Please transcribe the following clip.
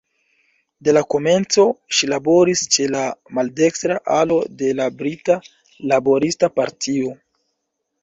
De la komenco ŝi laboris ĉe la maldekstra alo de la Brita Laborista Partio.